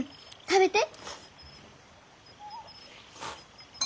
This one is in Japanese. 食べて！